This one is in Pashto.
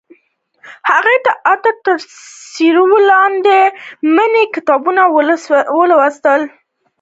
هغې د عطر تر سیوري لاندې د مینې کتاب ولوست.